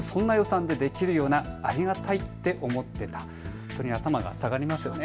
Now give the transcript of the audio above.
本当に頭が下がりますよね。